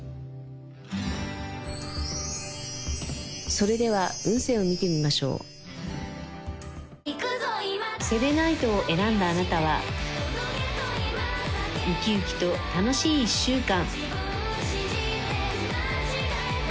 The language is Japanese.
それでは運勢を見てみましょうセレナイトを選んだあなたはウキウキと楽しい１週間